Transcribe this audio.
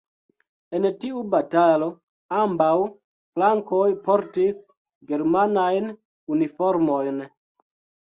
En tiu batalo, ambaŭ flankoj portis germanajn uniformojn.